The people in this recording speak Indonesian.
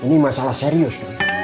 ini masalah serius